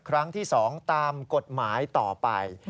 ครั้งที่๒ตามกฎหมายต่อไป